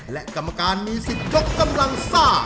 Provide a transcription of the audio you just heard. และกรรมการมี๑๐ยกกำลังซ่า